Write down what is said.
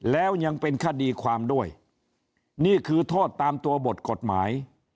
แล้วยังเป็นคดีความด้วยนี่คือโทษตามตัวบทกฎหมาย